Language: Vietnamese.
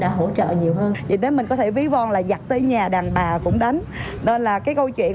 hỗ trợ nhiều hơn vì thế mình có thể ví von là giặt tới nhà đàn bà cũng đánh nên là cái câu chuyện